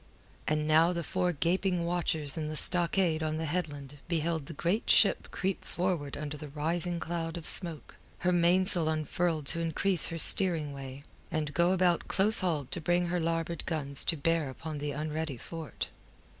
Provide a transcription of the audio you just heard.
And now the four gaping watchers in the stockade on the headland beheld the great ship creep forward under the rising cloud of smoke, her mainsail unfurled to increase her steering way, and go about close hauled to bring her larboard guns to bear upon the unready fort.